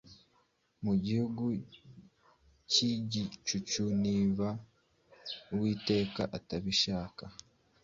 Mu gihugu cyigicucuniba Uwiteka atabishaka